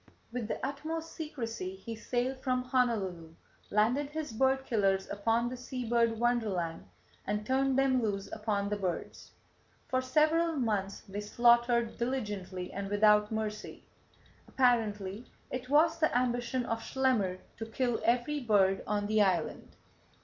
With the utmost secrecy he sailed from Honolulu, landed his bird killers upon the sea bird wonderland, and turned them loose upon the birds. For several months they slaughtered diligently and without mercy. Apparently it was the ambition of Schlemmer to kill every bird on the island.